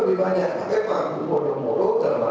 bisa ikut kalau berubah